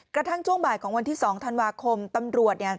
ช่วงบ่ายของวันที่๒ธันวาคมตำรวจเนี่ย